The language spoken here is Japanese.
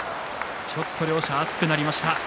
ちょっと両者、熱くなりました。